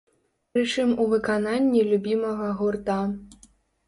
Прычым у выкананні любімага гурта!